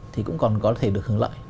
thì cũng còn có thể được hưởng lợi